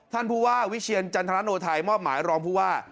ท่านภูวาวิเชียรจันทนาโนไทยมอบหมายรองภูวา